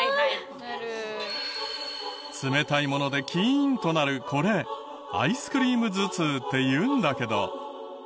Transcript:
冷たいものでキーンとなるこれアイスクリーム頭痛っていうんだけど。